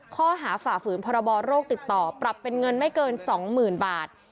ฝ่าฝืนพรบโรคติดต่อปรับเป็นเงินไม่เกิน๒๐๐๐บาท